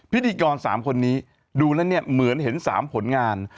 พิธีกร๓คนนี้ดูแล้วเนี่ยเหมือนเห็น๓ผลงาน